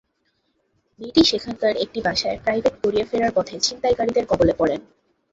মেয়েটি সেখানকার একটি বাসায় প্রাইভেট পড়িয়ে ফেরার পথে ছিনতাইকারীদের কবলে পড়েন।